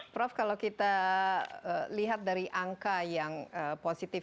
prof kalau kita lihat dari angka yang positif